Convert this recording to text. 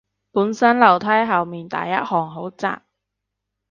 本身樓梯後面第一行好窄